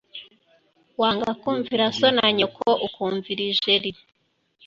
wanga kumvira so na nyoko, ukumvira ijeri